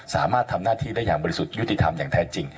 สามารถทำหน้าที่ได้อย่างบริสุทธิ์ยุติธรรมอย่างแท้จริง